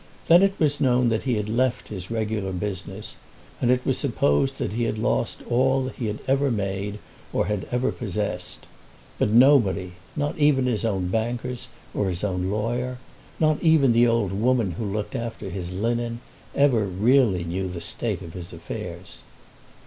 Then it was known that he had left his regular business, and it was supposed that he had lost all that he had ever made or had ever possessed. But nobody, not even his own bankers or his own lawyer, not even the old woman who looked after his linen, ever really knew the state of his affairs.